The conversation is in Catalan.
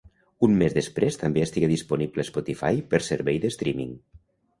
Un mes després també estigué disponible a Spotify per servei de streaming.